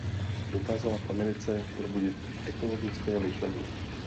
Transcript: Dokázala v Americe probudit ekologické myšlení.